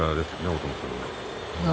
大友さんの。